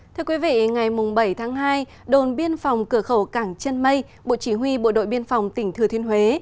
thưa quý vị ngày bảy tháng hai đồn biên phòng cửa khẩu cảng chân mây bộ chỉ huy bộ đội biên phòng tỉnh thừa thiên huế